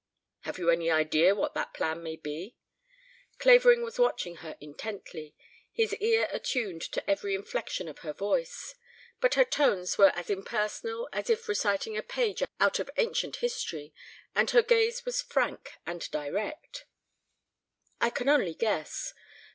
"Have you any idea of what that plan may be?" Clavering was watching her intently, his ear attuned to every inflection of her voice. But her tones were as impersonal as if reciting a page out of ancient history, and her gaze was frank and direct. "I can only guess.